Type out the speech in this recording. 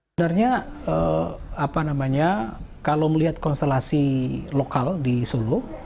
sebenarnya kalau melihat konstelasi lokal di solo